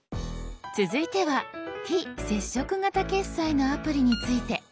続いては非接触型決済のアプリについて。